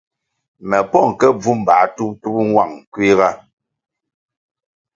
Me pong ke bvu mbā tup-tup nwang kuiga.